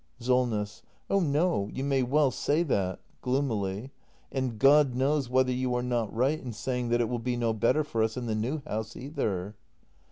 Solness. Oh no, you may well say that. [Gloomily.] And God r knows whether you are not right in saying that it will be no better for us in the new house, either.